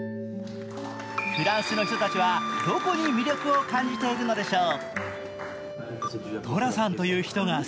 フランスの人たちはどこに魅力を感じているのでしょう。